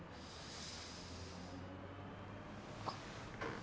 あっ。